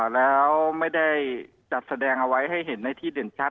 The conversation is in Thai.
แล้วไม่ได้จัดแสดงเอาไว้ให้เห็นในที่เด่นชัด